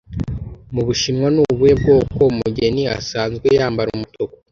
Mubushinwa ni ubuhe bwoko umugeni asanzwe yambara Umutuku